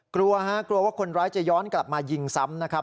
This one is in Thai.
กลัวฮะกลัวว่าคนร้ายจะย้อนกลับมายิงซ้ำนะครับ